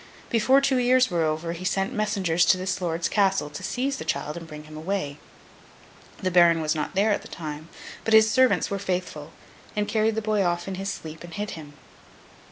Before two years were over, he sent messengers to this lord's Castle to seize the child and bring him away. The Baron was not there at the time, but his servants were faithful, and carried the boy off in his sleep and hid him.